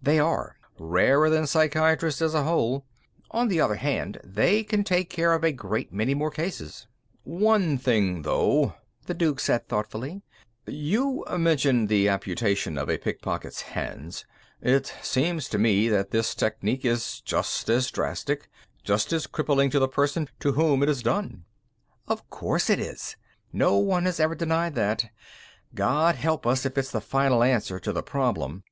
"They are. Rarer than psychiatrists as a whole. On the other hand, they can take care of a great many more cases." "One thing, though," the Duke said thoughtfully. "You mentioned the amputation of a pickpocket's hands. It seems to me that this technique is just as drastic, just as crippling to the person to whom it is done." "Of course it is! No one has ever denied that. God help us if it's the final answer to the problem!